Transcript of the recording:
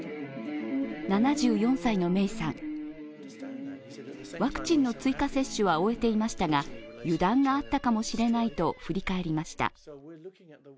７４歳のメイさん、ワクチンの追加接種は終えていましたが、油断があったかもしれないと振り返りました。